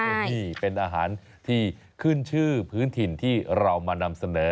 นี่เป็นอาหารที่ขึ้นชื่อพื้นถิ่นที่เรามานำเสนอ